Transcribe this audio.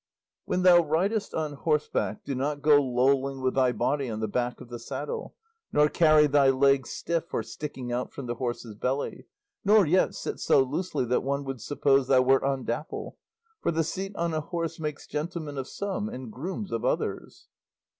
"When thou ridest on horseback, do not go lolling with thy body on the back of the saddle, nor carry thy legs stiff or sticking out from the horse's belly, nor yet sit so loosely that one would suppose thou wert on Dapple; for the seat on a horse makes gentlemen of some and grooms of others.